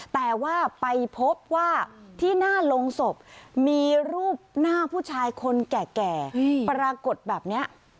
แต่ว่าไปพบว่าที่หน้าโรงศพมีรูปหน้าผู้ชายคนแก่ปรากฏแบบนี้